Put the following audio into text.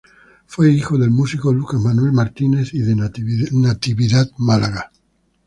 Fue hijo del músico Lucas Manuel Martínez y de Natividad Málaga.